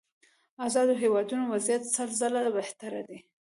ازادو هېوادونو وضعيت سل ځله بهتره دي.